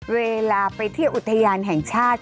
เวลาไปเที่ยวอุทยานแห่งชาติ